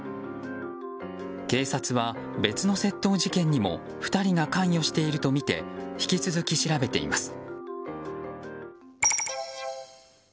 警察は別の窃盗事件にも２人が関与しているとみて引き続き調べています。